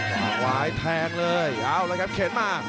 คาวายแทงเลยเอาแล้วครับเข็นมา